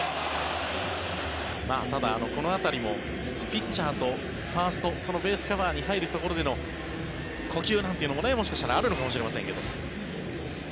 ただ、この辺りもピッチャーとファーストそのベースカバーに入るところでの呼吸なんていうのももしかしたらあるのかもしれませんけど。